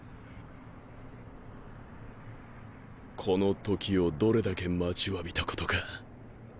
この瞬間をどれだけ待ちわびたことか！